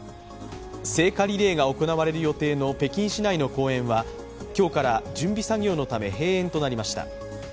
聖火リレーが行われる予定の北京市内の公園は、今日から準備作業のため閉園となりました。